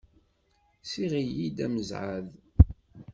Ssiɣ-iyi-d amezɛaḍ.